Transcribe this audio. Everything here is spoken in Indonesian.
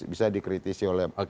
bisa dikritisi oleh bung ketua